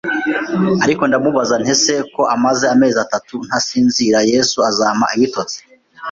ariko ndamubaza nti ese ko maze amezi atatu ntasinzira Yesu azampa ibitotsi?